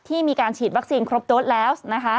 ที่มีการฉีดแว็กซินครบโดดแล้ว